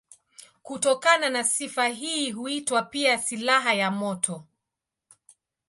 Kutokana na sifa hii huitwa pia silaha ya moto.